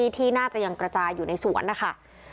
ที่น่าจะยังกระจายอยู่ในสวนนะคะ